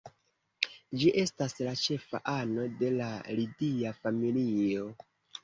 Ĝi estas la ĉefa ano de la Lidia familio.